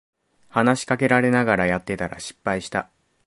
話しかけられながらやってたら失敗した